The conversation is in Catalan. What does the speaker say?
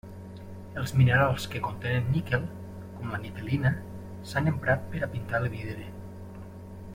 Els minerals que contenen níquel, com la niquelina, s'han emprat per a pintar el vidre.